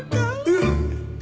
うん。